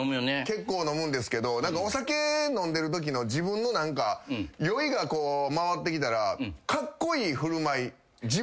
結構飲むんですけどお酒飲んでるときの自分の酔いが回ってきたら。